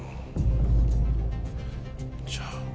じゃあ。